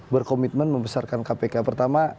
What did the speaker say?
berkomitmen membesarkan kpk pertama